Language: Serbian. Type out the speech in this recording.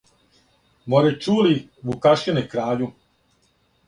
"Море, чу ли, Вукашине краљу,"